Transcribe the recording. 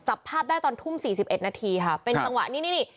จับภาพแรกตอนทุ่ม๔๑นาทีครับเป็นจังหวะนี่